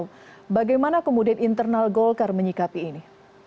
setia novanto bagaimana kemudian internal golkar menyikapi ini